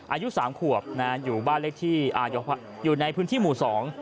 อายุ๓ขวบอยู่ในพื้นที่หมู่๒